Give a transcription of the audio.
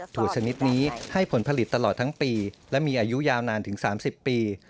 ถั่วชนิดนี้ให้ผลผลิตตลอดทั้งปีและมีอายุยาวนานถึง๓๐ปี